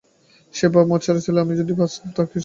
সেই বাপ-মা মরা ছেলেকে আমি যদি না বাঁচাতুম তো সে কি বাঁচত?